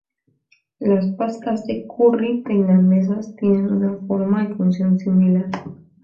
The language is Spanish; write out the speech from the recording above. Las pastas de "curry" tailandesas tienen una forma y función similar.